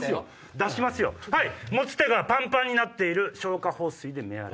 「持つ手がパンパンになっている消火放水で目洗い」。